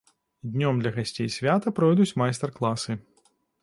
Днём для гасцей свята пройдуць майстар-класы.